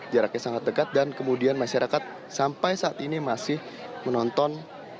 jaraknya sangat dekat dan kemudian masyarakat sampai saat ini masih menonton